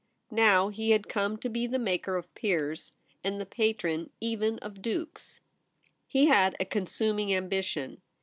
Now he had come to be the maker of peers, and the patron even of dukes. He had a consuming ambition.